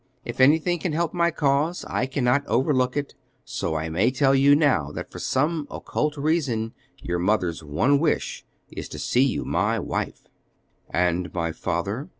If anything can help my cause, I cannot overlook it; so I may tell you now that for some occult reason your mother's one wish is to see you my wife." "And my father?"